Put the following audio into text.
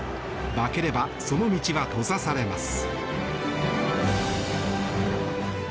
負ければその道は閉ざされます。